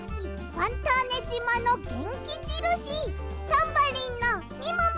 ファンターネじまのげんきじるしタンバリンのみもも！